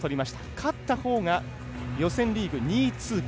勝ったほうが予選リーグ２位通過。